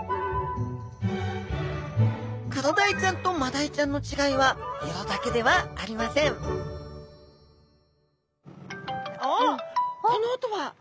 クロダイちゃんとマダイちゃんの違いは色だけではありません・おっこの音は！